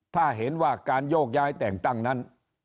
ถ้าเห็นว่าการโยกย้ายแต่งตั้งนั้น